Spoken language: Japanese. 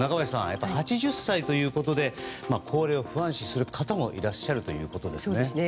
やっぱり８０歳ということで高齢を不安視する方もいらっしゃるということですね。